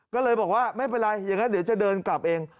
ก็เลยบอกว่าไม่เป็นไรอย่างนั้นเดี๋ยวจะเดินกลับเอง